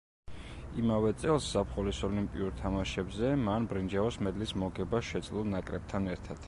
იმავე წელს ზაფხულის ოლიმპიურ თამაშებზე მან ბრინჯაოს მედლის მოგება შეძლო ნაკრებთან ერთად.